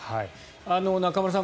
中丸さん